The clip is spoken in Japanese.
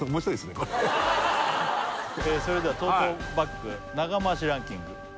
それではトートバッグ長回しランキング